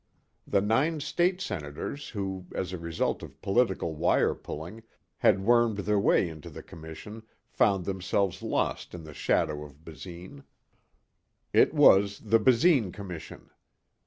The nine state senators who, as a result of political wire pulling, had wormed their way into the Commission found themselves lost in the shadow of Basine. It was the Basine Commission.